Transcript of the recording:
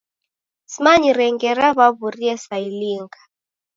Simanyire ngera w'aw'urie saa ilinga.